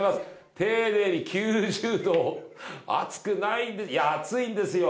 丁寧に９０℃を熱くないいや熱いんですよ。